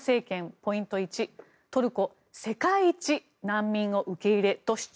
ポイント１、トルコ世界一難民を受け入れと主張。